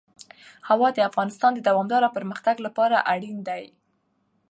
هوا د افغانستان د دوامداره پرمختګ لپاره اړین دي.